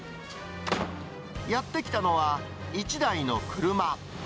やって来たのは、１台の車。